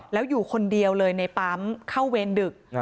แล้วอยู่คนเดียวเลยในปั๊มเข้าเวรดึก